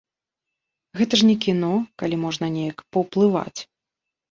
Гэта ж не кіно, калі можна неяк паўплываць.